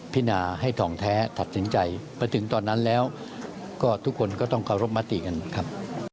ไปถึงตอนนั้นแล้วก็ทุกคนก็ต้องรอมติกันนะครับ